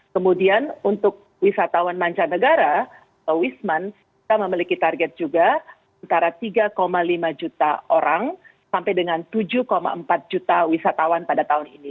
kemudian untuk wisatawan mancanegara atau wisman kita memiliki target juga antara tiga lima juta orang sampai dengan tujuh empat juta wisatawan pada tahun ini